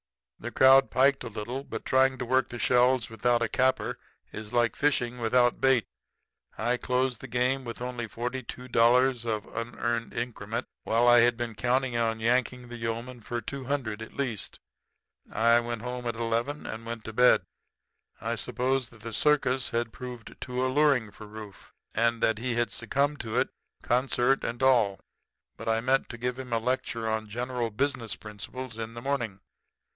"The crowd piked a little; but trying to work the shells without a capper is like fishing without a bait. I closed the game with only forty two dollars of the unearned increment, while I had been counting on yanking the yeomen for two hundred at least. I went home at eleven and went to bed. I supposed that the circus had proved too alluring for Rufe, and that he had succumbed to it, concert and all; but I meant to give him a lecture on general business principles in the morning.